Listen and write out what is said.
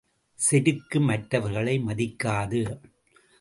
செருக்கு மற்றவர்களை மதிக்காது!